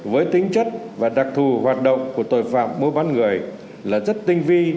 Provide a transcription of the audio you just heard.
với tính chất và đặc thù hoạt động của tội phạm mua bán người là rất tinh vi